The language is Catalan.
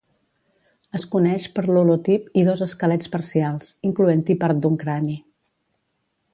Es coneix per l'holotip i dos esquelets parcials, incloent-hi part d'un crani.